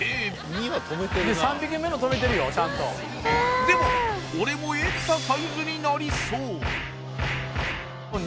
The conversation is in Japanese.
２は止めてるな３匹目も止めてるよちゃんとでもこれもエクササイズになりそう・